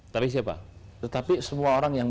tapi siapa tetapi semua orang yang